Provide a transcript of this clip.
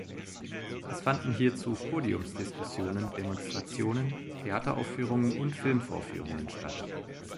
Es fanden hierzu Podiumsdiskussionen, Demonstrationen, Theateraufführungen und Filmvorführungen statt.